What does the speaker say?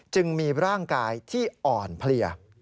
จึงมีร่างกายที่อ่อนเพลีย